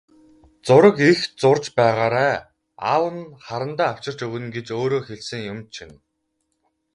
Зураг их зурж байгаарай, аав нь харандаа авчирч өгнө гэж өөрөө хэлсэн юм чинь.